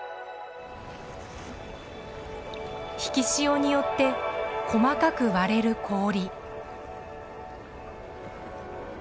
引き潮によって細かく割れる氷。